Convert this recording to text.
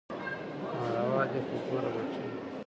ناروا دي خو ګوره بچى.